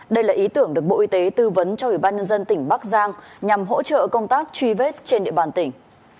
đây là ý tưởng được bộ y tế tư vấn cho ủy ban nhân dân tỉnh bắc giang nhằm hỗ trợ công tác truy vết trên địa bàn tỉnh